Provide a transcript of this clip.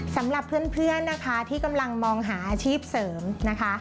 สำหรับเพื่อนนะคะที่กำลังมองหาอาชีพเสริมนะคะ